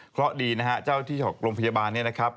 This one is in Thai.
เค้าดีเนี้ยเจ้าที่ร่องพยาบาลเนี้ยนะครับ